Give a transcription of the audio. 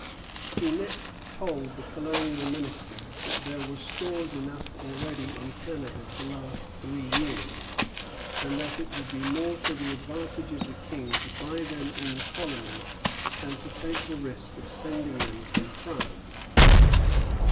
He next told the Colonial Minister that there were stores enough already in Canada to last three years, and that it would be more to the advantage of the King to buy them in the colony than to take the risk of sending them from France.